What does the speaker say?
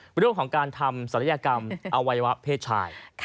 เป็นเรื่องของการทำศัลยกรรมอวัยวะเพศชาย